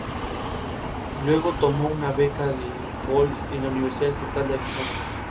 María Sharápova jugó de manera consistente en el año.